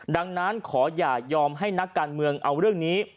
ดังนั้นขออย่ายอมให้นักการเมืองเอาเรื่องนี้